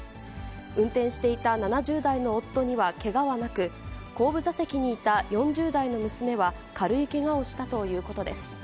運転していた７０代の夫にはけがはなく、後部座席にいた４０代の娘は軽いけがをしたということです。